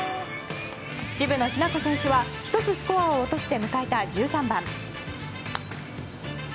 渋野日向子選手は、１つスコアを落として迎えた１３番。